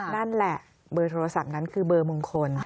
นั่นแหละเบอร์โทรศัพท์นั้นคือเบอร์มงคล